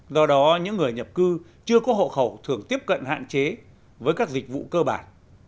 do đó những người nhập cư chưa có hộ khẩu thường tiếp cận hạn chế với các dịch vụ cơ bản